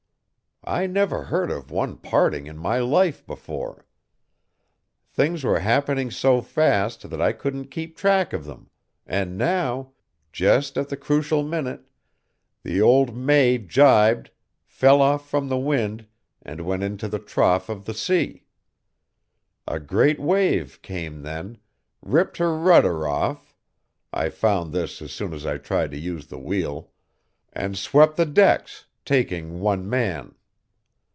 I never heard of one parting in my life before. Things were happening so fast that I couldn't keep track of them, and now, just at the crucial minute, the old May jibed, fell off from the wind, and went into the trough of the sea. A great wave came then, ripped her rudder off (I found this as soon as I tried to use the wheel) and swept the decks, taking one man.